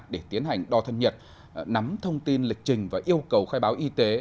để tiến hành đo thân nhật nắm thông tin lịch trình và yêu cầu khai báo y tế